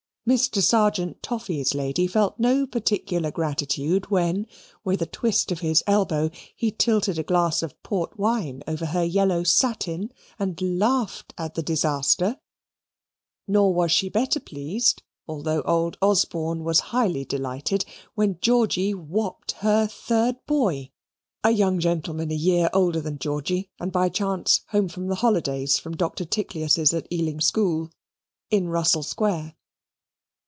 Mr. Sergeant Toffy's lady felt no particular gratitude, when, with a twist of his elbow, he tilted a glass of port wine over her yellow satin and laughed at the disaster; nor was she better pleased, although old Osborne was highly delighted, when Georgy "whopped" her third boy (a young gentleman a year older than Georgy, and by chance home for the holidays from Dr. Tickleus's at Ealing School) in Russell Square.